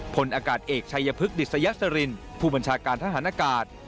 พลอากาศเอกชัยพฤกษิสยสรินผู้บัญชาการทหารอากาศ